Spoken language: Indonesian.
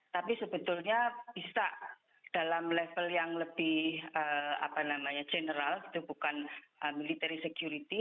tapi sebetulnya bisa dalam level yang lebih general itu bukan military security